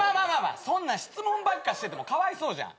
そんな質問ばっかしててもかわいそうじゃん。